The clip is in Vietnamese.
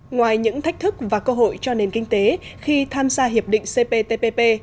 ngoài những thách thức và cơ hội cho nền kinh tế khi tham gia hiệp định cptpp